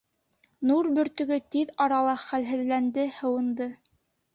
Нур бөртөгө тиҙ арала хәлһеҙләнде, һыуынды.